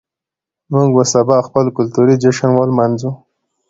موږ به سبا خپل کلتوري جشن ولمانځو.